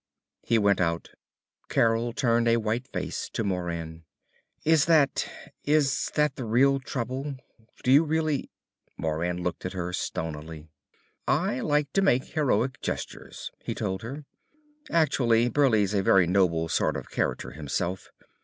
He went out. Carol turned a white face to Moran. "Is that is that the real trouble? Do you really " Moran looked at her stonily. "I like to make heroic gestures," he told her. "Actually, Burleigh's a very noble sort of character himself.